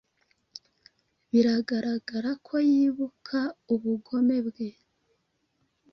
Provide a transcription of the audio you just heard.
Biragaragara ko yibuka ubugome bwe